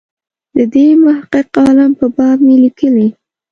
د دې محقق عالم په باب مې لیکلي.